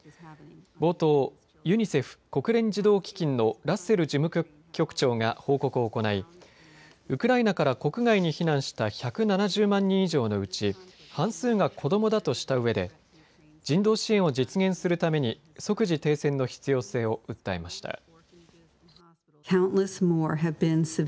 冒頭、ユニセフ・国連児童基金のラッセル事務局長が報告を行い、ウクライナから国外に避難した１７０万人以上のうち半数が子どもだとしたうえで人道支援を実現するために即時停戦の必要性を訴えました。